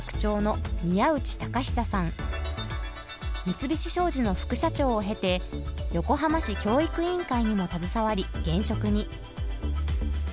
三菱商事の副社長を経て横浜市教育委員会にも携わり現職に。